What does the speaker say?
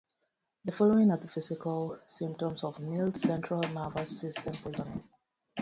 The following are the physical symptoms of mild central nervous system poisoning.